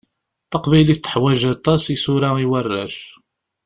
Taqbaylit teḥwaǧ aṭas n isura i warrac.